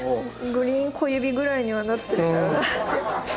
グリーン小指ぐらいにはなってたら。